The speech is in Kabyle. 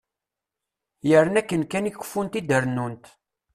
Yerna akken kan i keffunt i d-rennunt.